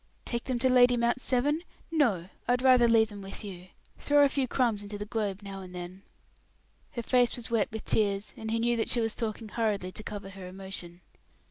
"Take them to Lady Mount Severn! No, I would rather leave them with you. Throw a few crumbs into the globe now and then." Her face was wet with tears, and he knew that she was talking hurriedly to cover her emotion.